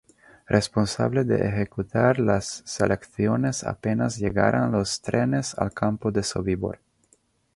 Responsable de ejecutar las selecciones apenas llegaran los trenes al campo de Sobibor.